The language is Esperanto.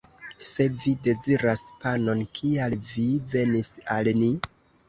Se vi deziras panon, kial vi venis al ni?